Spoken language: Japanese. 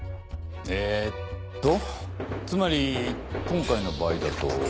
えっとつまり今回の場合だと？